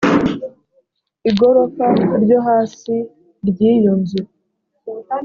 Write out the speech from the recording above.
igorofa ryo hasi ry iyo nzu